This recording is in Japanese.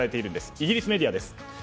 イギリスメディアです。